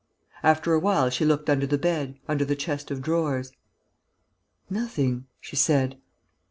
After a while, she looked under the bed, under the chest of drawers: "Nothing," she said.